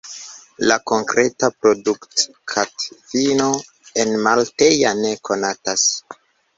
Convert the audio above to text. La konkreta produktadfino enmalteja ne konatas.